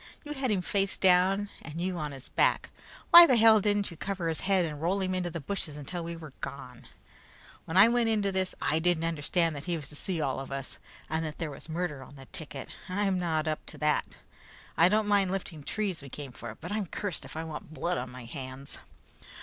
You had him face down and you on his back; why the hell didn't you cover his head and roll him into the bushes until we were gone? When I went into this, I didn't understand that he was to see all of us and that there was murder on the ticket. I'm not up to it. I don't mind lifting trees we came for, but I'm cursed if I want blood on my hands."